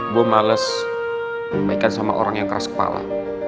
gue males mainkan sama orang yang keras kepala